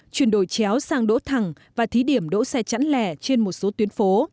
chuyển đổi chéo sang đỗ thẳng và thí điểm đỗ xe chắn lẻ trên một số tuyến phố